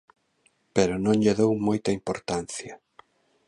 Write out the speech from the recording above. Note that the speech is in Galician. Pero non lle dou moita importancia.